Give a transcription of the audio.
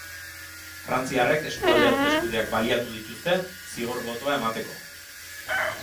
Frantziarrek eskualde hauteskundeak baliatu dituzte zigor botoa emateko.